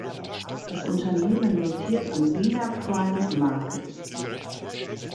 Das Unternehmen notiert am Wiener Prime Market.